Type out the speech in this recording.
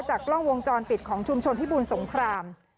จากกล้องวงจรปิดของชุมชนพี่บูรณ์สงคราม